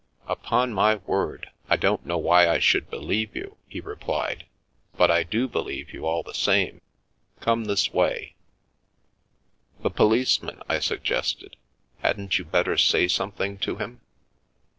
" Upon my word, I don't know why I should believe you," he replied, "but I do believe you, all the same. Come this way "" The policeman ?" I suggested. " Hadn't you better say something to him?